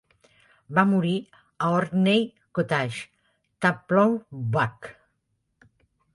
Va morir a Orkney Cottage Taplow Buck.